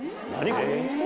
これ。